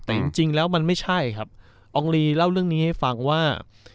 แต่จริงแล้วมันไม่ใช่ครับอองลีเล่าเรื่องนี้ให้ฟังว่า